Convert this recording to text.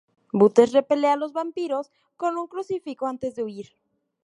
Butters repele a los vampiros con un crucifijo antes de huir.